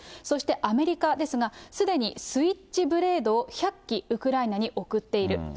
そしてアメリカですが、すでにスイッチブレードを１００機ウクライナに送っている。